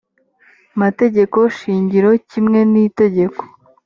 mategeko shingiro kimwe n itegeko